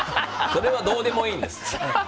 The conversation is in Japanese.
それはどうでもいいんです！